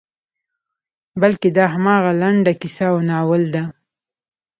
بلکې دا همغه لنډه کیسه او ناول ده.